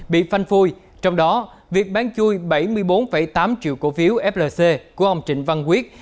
bị phanh phui trong đó việc bán chui bảy mươi bốn tám triệu cổ phiếu flc của ông trịnh văn quyết